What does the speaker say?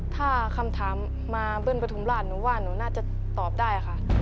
ถ้าคำถามมาเบิ้ลปฐุมราชหนูว่าหนูน่าจะตอบได้ค่ะ